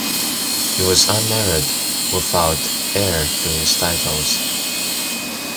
He was unmarried, without heir to his titles.